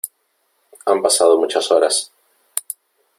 han pasado muchas horas .